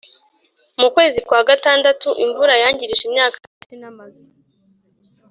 Mukwezi kwa gatandatu imvura yangirije imyaka myinshi n’amazu